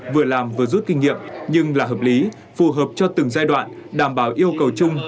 vừa làm vừa rút kinh nghiệm nhưng là hợp lý phù hợp cho từng giai đoạn đảm bảo yêu cầu chung